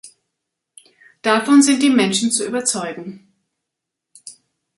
Davon sind die Menschen zu überzeugen.